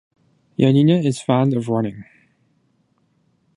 Yanina is fond of running.